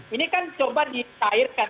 ini kan coba disairkan